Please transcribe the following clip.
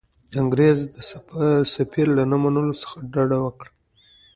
انګرېز د سفیر له منلو څخه ډډه وکړي.